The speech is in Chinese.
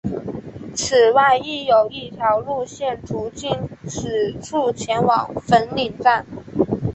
此外亦有一条路线途经此处前往粉岭站。